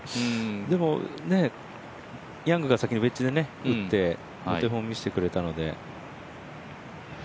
でも、ヤングが先にウェッジで打ってお手本見せてくれたので。